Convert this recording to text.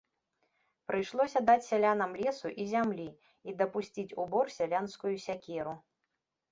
Прыйшлося даць сялянам лесу і зямлі і дапусціць у бор сялянскую сякеру.